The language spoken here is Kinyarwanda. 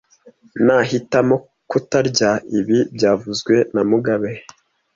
Nahitamo kutarya ibi byavuzwe na mugabe